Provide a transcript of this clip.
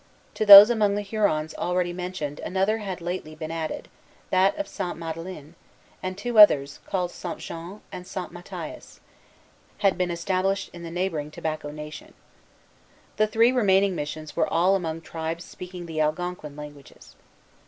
To those among the Hurons already mentioned another had lately been added, that of Sainte Madeleine; and two others, called St. Jean and St. Matthias, had been established in the neighboring Tobacco Nation. The three remaining missions were all among tribes speaking the Algonquin languages.